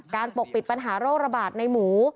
ปกปิดปัญหาโรคระบาดในหมู